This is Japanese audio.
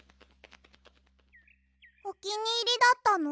おきにいりだったの？